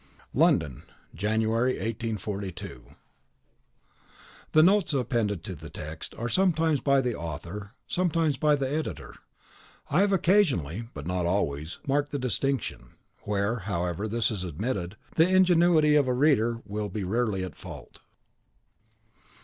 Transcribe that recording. London, January, 1842. N.B. The notes appended to the text are sometimes by the author, sometimes by the editor. I have occasionally (but not always) marked the distinction; where, however, this is omitted, the ingenuity of the reader will be rarely at fault.